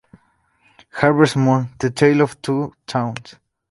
Harvest Moon: The Tale of Two Towns